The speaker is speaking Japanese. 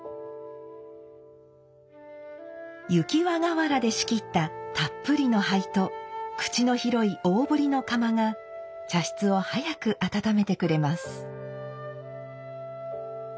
雪輪瓦で仕切ったたっぷりの灰と口の広い大ぶりの釜が茶室を早く温めてくれます。